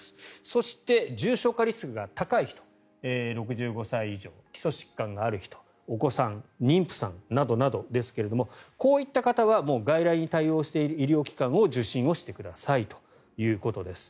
そして、重症化リスクが高い人６５歳以上、基礎疾患がある人お子さん、妊婦さんなどですがこういった方は外来に対応している医療機関を受診してくださいということです。